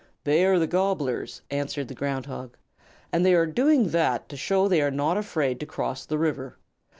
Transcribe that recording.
"They are the Gobblers," answered the Ground Hog, "and they are doing that to show that they are not afraid to cross the river.